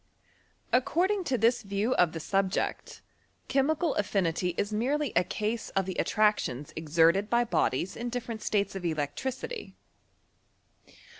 According to this view of the subject, chemical affinity is merely a case of the attractions exerted by bodies in different states of electricity.